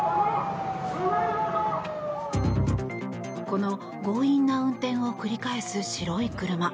この強引な運転を繰り返す白い車。